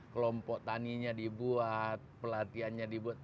kelompok taninya dibuat pelatihannya dibuat